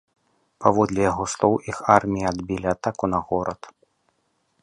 Паводле яго слоў, іх арміі адбілі атаку на горад.